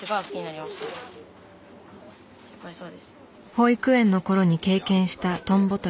保育園のころに経験したトンボ捕り。